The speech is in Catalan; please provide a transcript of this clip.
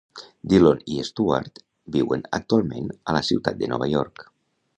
Dillon i Stuart viuen actualment a la ciutat de Nova York.